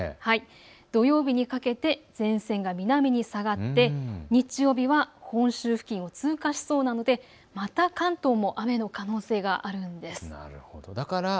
土曜日にかけて前線が南に下がって日曜日は本州付近を通過しそうなのでまた関東、雨の可能性があるんです。